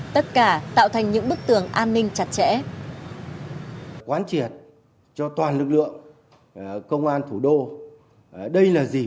tất cả tạo thành những bức tường an ninh chặt chẽ